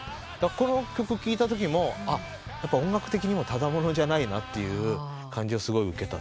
この曲聴いたときも音楽的にもただ者じゃないなという感じをすごい受けたというか。